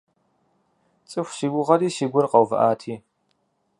ЦӀыху си гугъэри си гур къэувыӀати!